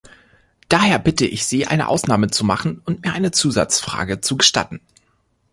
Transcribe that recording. Daher bitte ich Sie, eine Ausnahme zu machen und mir eine Zusatzfrage zu gestatten.